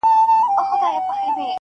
o په تو پک نه سي قلم ته دعا وکړﺉ,